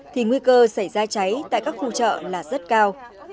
thì nguy cơ xảy ra cháy tại các khu chợ là rất cao